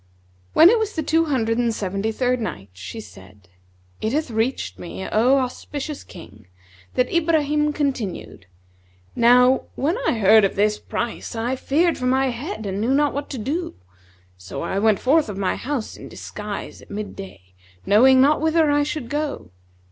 When it was the Two Hundred and Seventy third Night, She said, It hath reached me, O auspicious King, that Ibrahim continued, "Now when I heard of this price I feared for my head and knew not what to do: so I went forth of my house in disguise at mid day, knowing not whither I should go.